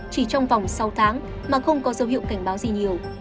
chỉ trong vòng sáu tháng mà không có dấu hiệu cảnh báo gì nhiều